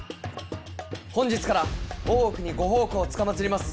本日から大奥にご奉公つかまつります